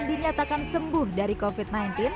dinyatakan sembuh dari covid sembilan belas